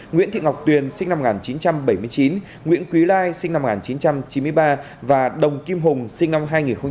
nguyễn thị ngọc tuyền sinh năm một nghìn chín trăm bảy mươi chín nguyễn quý lai sinh năm một nghìn chín trăm chín mươi ba và đồng kim hùng sinh năm hai nghìn